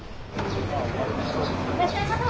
いらっしゃいませ。